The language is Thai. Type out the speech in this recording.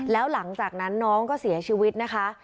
แล้วหลังจากนั้นน้องก็เสียชีวิตนะคะ